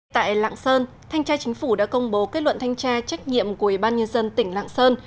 tại lạng sơn thanh tra chính phủ đã công bố kết luận thanh tra trách nhiệm của ủy ban nhân dân tỉnh lạng sơn